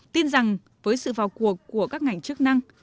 tin rằng với sự vào cuộc của các ngành chức năng